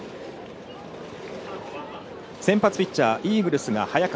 先発ピッチャーイーグルスが早川。